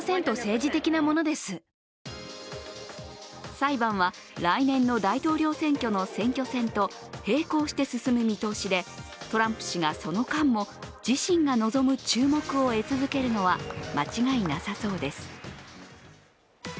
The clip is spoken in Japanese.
裁判は来年の大統領選挙の選挙戦と並行して進む見通しでトランプ氏がその間も自身が望む注目を得続けるのは間違いなさそうです。